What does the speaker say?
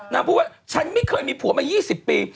พูดว่าฉันไม่เคยมีผัวมา๒๐ปี